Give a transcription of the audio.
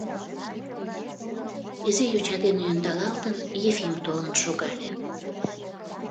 Изи йоча дене ӧндалалтын, Ефим толын шогале